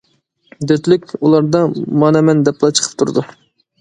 دۆتلۈك «ئۇلاردا» مانا مەن دەپلا چىقىپ تۇرىدۇ.